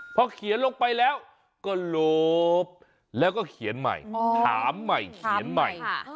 พอเขียนลงไปแล้วก็ลบแล้วก็เขียนใหม่ถามใหม่เขียนใหม่